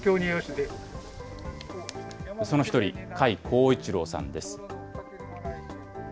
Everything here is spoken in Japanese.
その一人、甲斐耕一郎さんです。